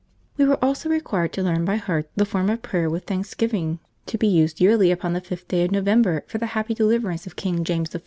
"We were also required to learn by heart the form of Prayer with Thanksgiving to be used Yearly upon the Fifth Day of November for the happy deliverance of King James I.